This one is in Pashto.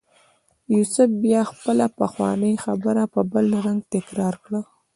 یوسف بیا خپله پخوانۍ خبره په بل رنګ تکرار کړه.